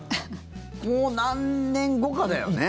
もう何年後かだよね。